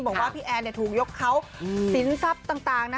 บอกว่าพี่แอนถูกยกเขาสินทรัพย์ต่างนะ